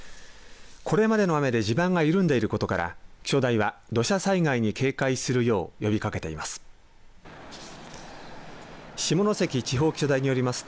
これまでの雨で地盤が緩んでいることから気象台は土砂災害に警戒するよう呼びかけています。